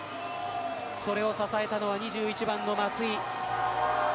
それを支えたのは２１番の松井。